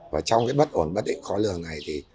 và trong bất ổn bất định khó lường này